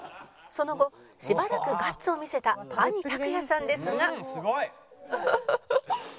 その後しばらくガッツを見せた兄たくやさんですが